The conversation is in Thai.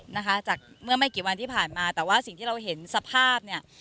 นะคะจากเมื่อไม่กี่วันที่ผ่านมาแต่ว่าสิ่งที่เราเห็นสภาพเนี่ย